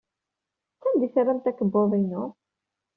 Sanda ay terramt akebbuḍ-inu?